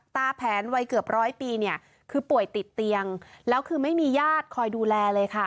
แผนวัยเกือบร้อยปีเนี่ยคือป่วยติดเตียงแล้วคือไม่มีญาติคอยดูแลเลยค่ะ